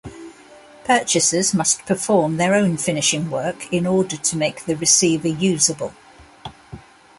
Purchasers must perform their own finishing work in order to make the receiver usable.